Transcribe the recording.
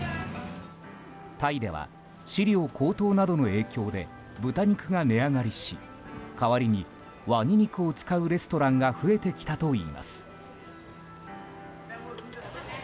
タイでは飼料高騰などの影響で豚肉が値上がりし、代わりにワニ肉を使うレストランが増えてきたといいます。